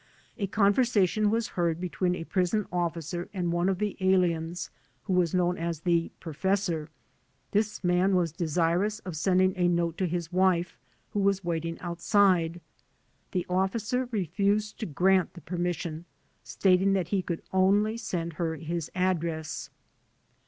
A conversation was heard between a prison officer and one of the aliens who was known as the "Professor." This man was desirous of sending a note to his wife, who was waiting outside. The officer refused to grant the per mission, stating that he could only send her his address.